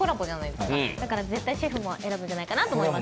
だから絶対シェフも選ぶんじゃないかなと思います。